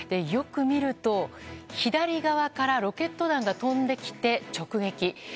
よく見ると、左側からロケット弾が飛んできて直撃。